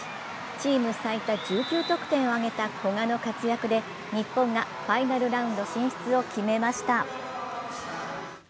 チーム最多１９得点を挙げた古賀の活躍で、日本がファイナルラウンド進出を決めました。